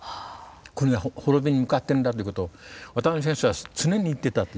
国が滅びに向かっているんだってことを渡辺先生は常に言ってたという。